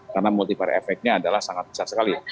karena multifari efeknya adalah sangat besar sekali